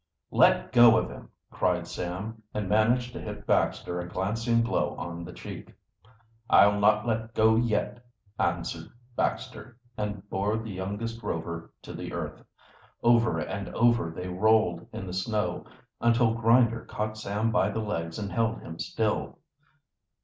"Let go of him!" cried Sam, and managed to hit Baxter a glancing blow on the cheek. "I'll not let go yet," answered Baxter, and bore the youngest Rover to the earth. Over and over they rolled in the snow, until Grinder caught Sam by the legs and held him still.